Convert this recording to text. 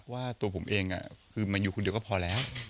ว่าตัวผมเองคือมันอยู่คนเดียวก็พอแล้ว